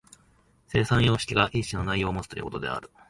生産様式が一種の内容をもつということである。